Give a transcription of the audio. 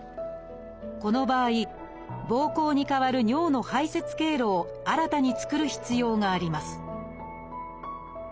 この場合膀胱に代わる尿の排泄経路を新たに作る必要があります